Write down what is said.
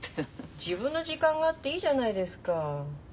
自分の時間があっていいじゃないですか。